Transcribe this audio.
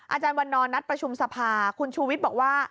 อาจารย์วันนอนนัดประชุมสภาคุณชูวิทย์บอกว่า